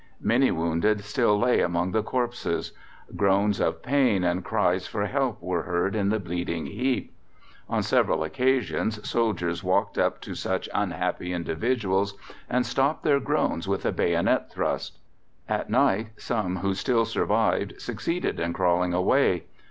Many wounded still lay among the corpses. Groans of pain and cries for help were heard in the bleeding heap. On several occasions soldiers walked up to such unhappy individuals and stopped their groans with a bayonet thrust. At night some who still survived succeeded in crawling away.